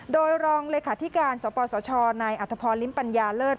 โดยรองเลยค่ะที่การสปสชนายอัทพรลิมปัญญาเลิศ